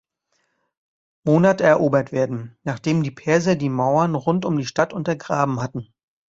Monat erobert werden, nachdem die Perser die Mauern rund um die Stadt untergraben hatten.